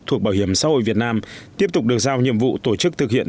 thuộc bảo hiểm xã hội việt nam tiếp tục được giao nhiệm vụ tổ chức thực hiện